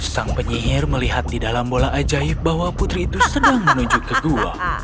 sang penyihir melihat di dalam bola ajaib bahwa putri itu sedang menuju ke gua